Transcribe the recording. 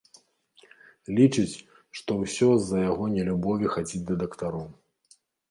Лічыць, што ўсё з-за яго нелюбові хадзіць да дактароў.